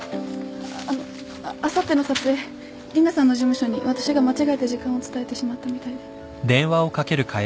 あのあさっての撮影リナさんの事務所に私が間違えて時間を伝えてしまったみたいで。